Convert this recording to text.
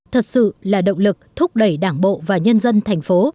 thật sự là động lực thúc đẩy đảng bộ và nhân dân thành phố